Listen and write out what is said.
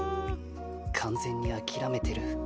完全に諦めてる。